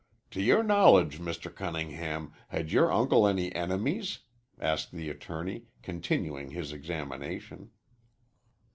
"To your knowledge, Mr. Cunningham, had your uncle any enemies?" asked the attorney, continuing his examination.